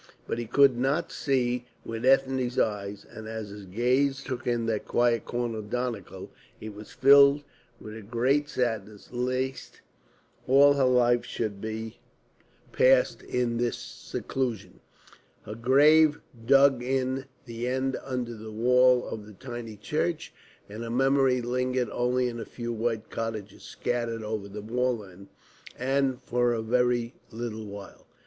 But he could not see with Ethne's eyes, and as his gaze took in that quiet corner of Donegal, he was filled with a great sadness lest all her life should be passed in this seclusion, her grave dug in the end under the wall of the tiny church, and her memory linger only in a few white cottages scattered over the moorland, and for a very little while.